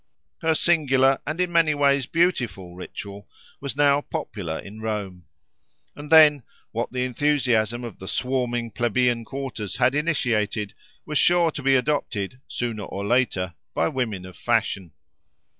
Her singular and in many ways beautiful ritual was now popular in Rome. And then—what the enthusiasm of the swarming plebeian quarters had initiated, was sure to be adopted, sooner or later, by women of fashion.